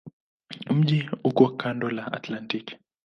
Mji uko kando la Atlantiki.